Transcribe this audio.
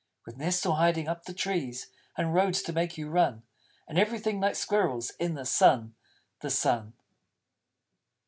_With nests all hiding up the Trees, And Roads to make you Run: And everything like Squirrels! In the Sun the Sun!